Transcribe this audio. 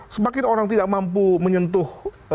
semakin orang tidak mampu menyentuh